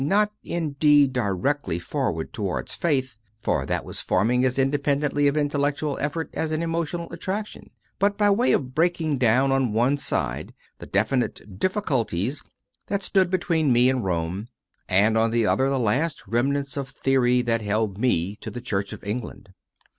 not indeed directly forward towards Faith for that was forming as independently of intellectual effort as of emotional attraction but by way of breaking down on one side the definite difficulties that stood between me and Rome, and on the other the last remnants of theory that held me to the Church of England.